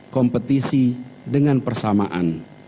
kompetisi dengan persamaan